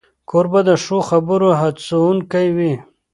کوربه د ښو خبرو هڅونکی وي.